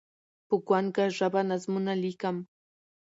په ګونګه ژبه نظمونه لیکم